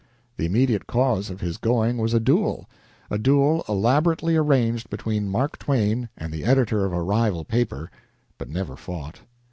The immediate cause of his going was a duel a duel elaborately arranged between Mark Twain and the editor of a rival paper, but never fought.